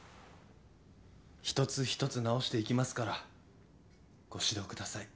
一つ一つ直していきますからご指導ください。